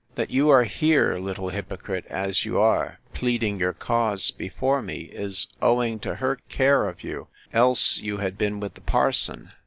That you are here, little hypocrite as you are, pleading your cause before me, is owing to her care of you; else you had been with the parson.